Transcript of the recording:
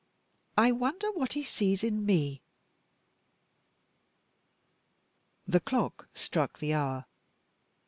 "I wonder what he sees in Me?" The clock struck the hour.